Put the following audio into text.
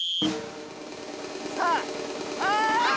さあああ！